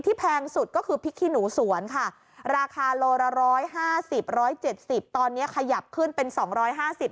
ที่แพงสุดก็คือพิกฮิหนูสวนค่ะราคาโลรร้อยห้าสิบ